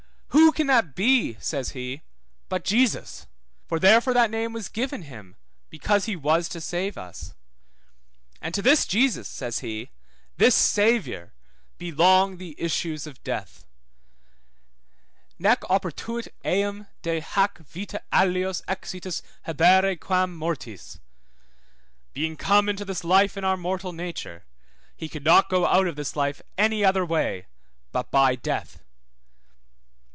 Who can that be, says he, but Jesus? For therefore that name was given him because he was to save us. And to this Jesus, says he, this Saviour, 2727 Matt. 1:21. belong the issues of death; Nec oportuit eum de hac vita alios exitus habere quam mortis: being come into this life in our mortal nature, he could not go out of this life any other way but by death.